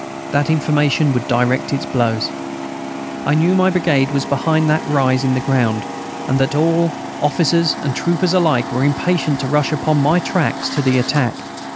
That information would direct its blows.... I knew my brigade was behind that rise in the ground, and that all, officers and troopers alike, were impatient to rush upon my tracks to the attack.